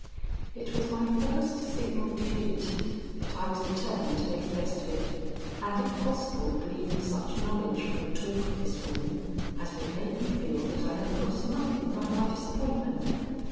It was my first signal defeat, but I was determined to make the best of it, and if possible glean such knowledge from the talk of this woman as would make me feel that I had lost nothing by my disappointment.